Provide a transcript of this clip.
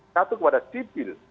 satu kepada sipil